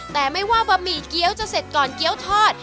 แต่ไม่ว่าบะหมี่เกี้ยวจะเสร็จก่อนเกี้ยวทอด